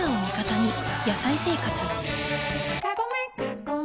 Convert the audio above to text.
「野菜生活」